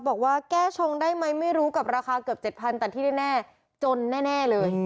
บอกว่าแก้ชงได้ไหมไม่รู้กับราคาเกือบ๗๐๐แต่ที่แน่จนแน่เลย